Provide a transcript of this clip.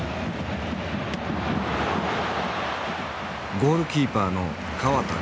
ゴールキーパーの河田晃兵。